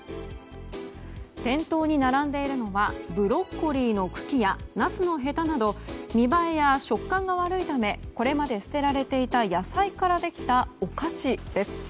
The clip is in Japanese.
店頭に並んでいるのはブロッコリーの茎やナスのヘタなど見栄えや食感が悪いためこれまで捨てられていた野菜からできたお菓子です。